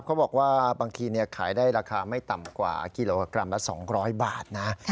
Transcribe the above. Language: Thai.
เขาบอกว่าบางทีขายได้ราคาไม่ต่ำกว่ากิโลกรัมละ๒๐๐บาทนะ